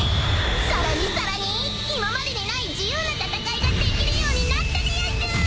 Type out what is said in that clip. ［さらにさらに今までにない自由な戦いができるようになったでやんす！］